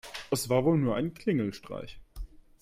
Es war wohl nur ein Klingelstreich.